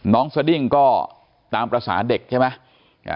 สดิ้งก็ตามภาษาเด็กใช่ไหม